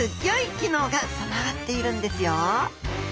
機能が備わっているんですよ！